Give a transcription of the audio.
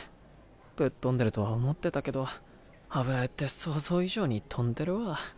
ぶっ飛んでるとは思ってたけど油絵って想像以上に飛んでるわ。